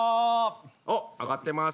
おっ挙がってます。